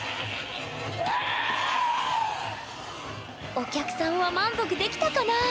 お客さんは満足できたかなあ？